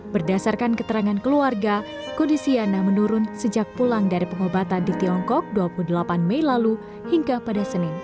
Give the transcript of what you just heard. berdasarkan keterangan keluarga kondisi yana menurun sejak pulang dari pengobatan di tiongkok dua puluh delapan mei lalu hingga pada senin